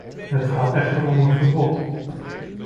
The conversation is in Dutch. Het gaat echter om een verbod.